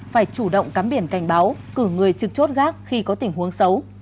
phải chủ động cắm biển cảnh báo cử người trực chốt gác khi có tình huống xấu